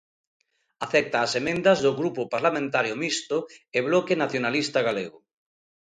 Acepta as emendas do Grupo Parlamentario Mixto e Bloque Nacionalista Galego.